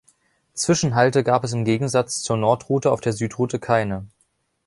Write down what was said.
Zwischenhalte gab es im Gegensatz zur Nordroute auf der Südroute keine.